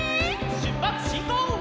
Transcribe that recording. しゅっぱつしんこう！